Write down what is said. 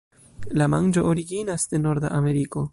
La manĝo originas de Norda Ameriko.